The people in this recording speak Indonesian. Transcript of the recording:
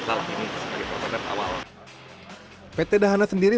pt dahana sendiri masih akan mengembangkan drone ini